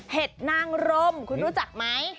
นางรมคุณรู้จักไหม